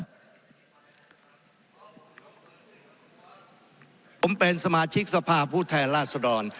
ผมเป็นสมาชิกสภาพผู้แทนราชดร